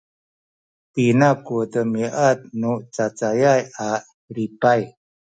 pina ku demiad nu cacayay a lipay?